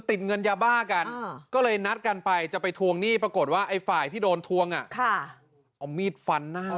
ติดเงินยาบ้ากันก็เลยนัดกันไปจะไปทวงหนี้ปรากฏว่าไอ้ฝ่ายที่โดนทวงเอามีดฟันหน้า